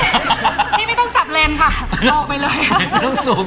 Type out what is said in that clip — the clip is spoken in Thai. นี่ไม่ต้องจับเลนค่ะออกไปเลยค่ะ